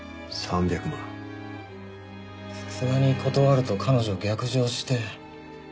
さすがに断ると彼女逆上して。